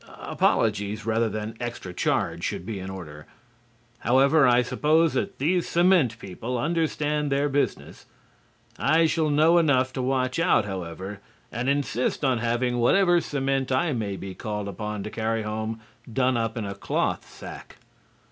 Apologies, rather than extra charge, should be in order. However, I suppose that these cement people understand their business. I shall know enough to watch out, however, and insist on having whatever cement I may be called upon to carry home done up in a cloth sack.